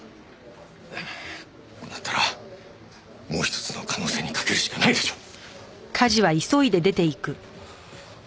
ああこうなったらもう一つの可能性にかけるしかないでしょう！